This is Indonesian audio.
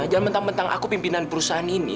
jangan mentang mentang aku pimpinan perusahaan ini